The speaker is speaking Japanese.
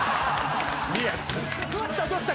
どうした⁉どうした⁉